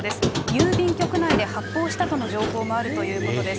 郵便局内で発砲したとの情報もあるということです。